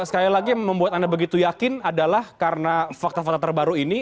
sekali lagi yang membuat anda begitu yakin adalah karena fakta fakta terbaru ini